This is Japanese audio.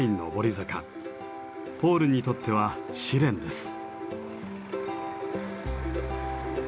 ポールにとっては試練です。